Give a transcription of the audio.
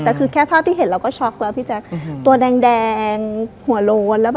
แต่คือแค่ภาพที่เห็นเราก็ช็อกแล้วพี่แจ๊คตัวแดงหัวโล้น